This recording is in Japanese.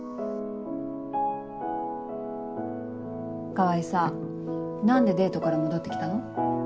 川合さ何でデートから戻って来たの？